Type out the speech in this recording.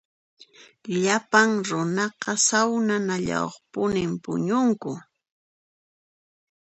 Llapan runaqa sawnanallayuqpuni puñunku.